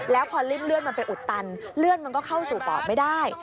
แล้วพอริ่มเลือดมันไปอุดตันเลือดมันก็เข้าสู่ปอดไม่ได้